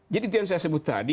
jadi itu yang saya sebut tadi